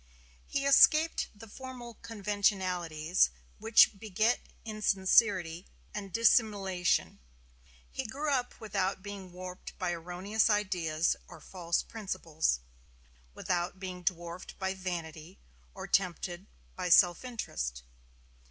He escaped the formal conventionalities which beget insincerity and dissimulation. He grew up without being warped by erroneous ideas or false principles; without being dwarfed by vanity, or tempted by self interest.